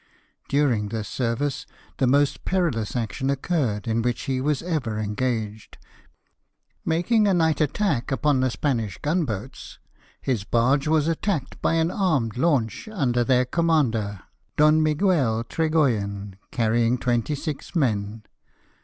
During this service the most peril ous action occurred in which he was ever engaged. Making a night attack upon the Spanish gun boats. 112 LIFE OF NELSON. his barge was attacked by an armed launch under their commander, Don Miguel Tregoyen, carrying twenty six men.